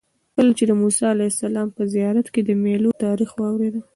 کله چې د موسی علیه السلام په زیارت کې د میلو تاریخ واورېد.